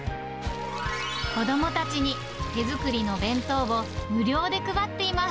子どもたちに手作りの弁当を無料で配っています。